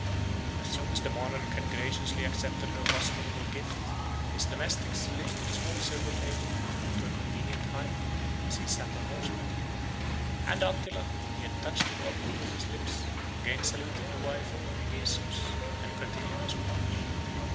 As soon as the monarch had graciously accepted her hospitable gift, his domestics lifted a small silver table to a convenient height, as he sat on horseback; and Attila, when he had touched the goblet with his lips, again saluted the wife of Onegesius, and continued his march.